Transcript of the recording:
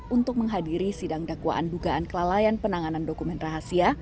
untuk menghadiri sidang dakwaan dugaan kelalaian penanganan dokumen rahasia